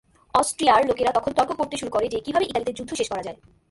অস্ট্রিয়ার লোকেরা তখন তর্ক করতে শুরু করে যে, কীভাবে ইতালিতে যুদ্ধ শেষ করা যায়।